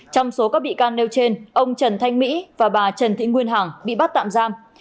trong số các bị can nêu trên ông trần thanh mỹ và bà trần thị nguyên hằng bị bắt tạm giam